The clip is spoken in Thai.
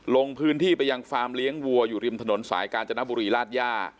ลงพื้นที่ไปยังฟาร์มเลี้ยงวัวอยู่ริมถนนสายกาญจนบุรีราชย่า